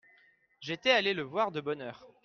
J'étais allé le voir de bonne heure.